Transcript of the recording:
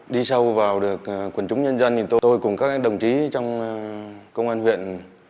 đi sâu vào được quần chúng nhân dân thì tôi cùng các đồng chí trong công an huyện